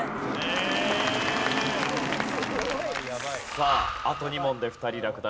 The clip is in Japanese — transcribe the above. さああと２問で２人落第。